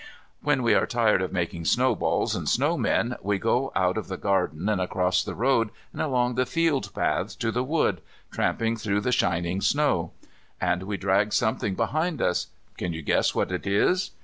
When we are tired of making snowballs and snow men we go out of the garden and across the road and along the field paths to the wood, tramping through the shining snow. And we drag something behind us: can you guess what it is?